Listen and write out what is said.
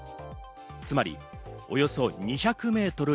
つまりおよそ２００メートル